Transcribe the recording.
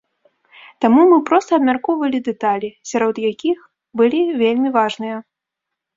Таму мы проста абмяркоўвалі дэталі, сярод якіх былі вельмі важныя.